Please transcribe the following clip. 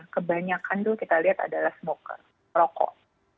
kebanyakan tuh kita lihat adalah smoker rokok